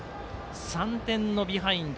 ３点のビハインド。